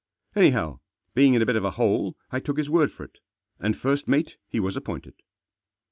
Anyhow, being in a bit of a hole I took his word for it, and first mate he was appointed.